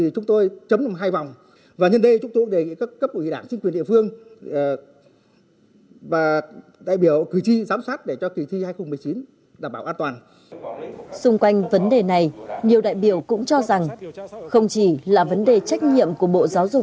xung quanh vấn đề này nhiều đại biểu cũng cho rằng không chỉ là vấn đề trách nhiệm của bộ giáo dục